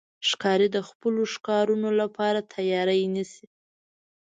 ښکاري د خپلو ښکارونو لپاره تیاری نیسي.